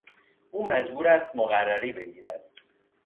او مجبور است مقرری بگیرد.